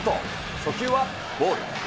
初球はボール。